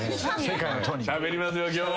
しゃべりますよ今日は。